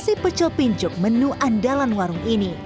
nasi pecel pincuk menu andalan warung ini